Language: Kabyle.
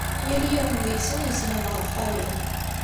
Yal yiwen deg-sen yesleb ɣef wayeḍ.